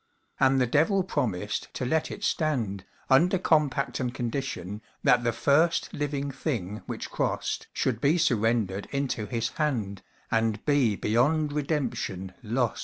And the Devil promised to let it stand, Under compact and condition That the first living thing which crossed Should be surrendered into his hand, And be beyond redemption lost.